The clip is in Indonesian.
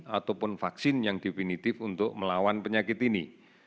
ataupun vaksin yang definitif untuk melawan penyakit ini